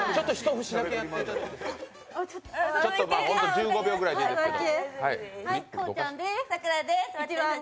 １５秒ぐらいでいいですけど。